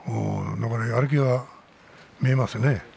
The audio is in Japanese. やる気が見えますね。